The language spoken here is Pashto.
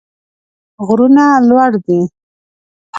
غرونه لوړ دي.